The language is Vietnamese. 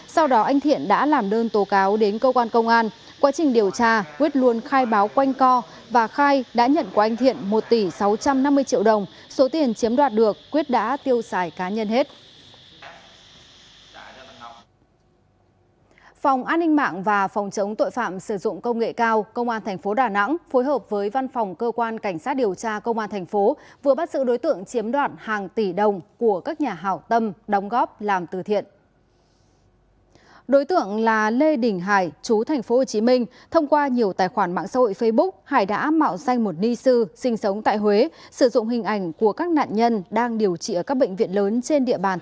sau đó anh thiện đã làm đơn tố cáo đến cơ quan công an quá trình điều tra quyết luôn khai báo quanh co và khai đã nhận của anh thiện một tỷ sáu trăm năm mươi triệu đồng số tiền chiếm đoạt được quyết đã tiêu xài cá nhân hết